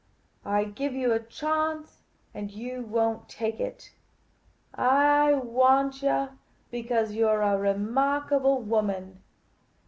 I give you a chance, and you won't take it. I want yah because you 're a remarkable woman.